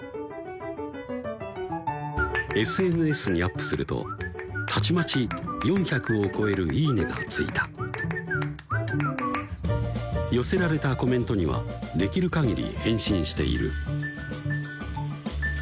これはＳＮＳにアップするとたちまち４００を超える「いいね」がついた寄せられたコメントにはできるかぎり返信している